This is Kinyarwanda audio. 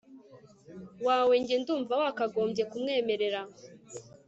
wawe njye ndumva wakagombye kumwemerera